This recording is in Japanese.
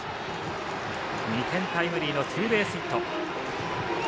２点タイムリーのツーベースヒット。